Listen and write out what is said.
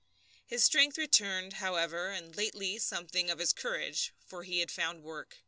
His strength had returned, however, and lately something of his old courage, for he had found work.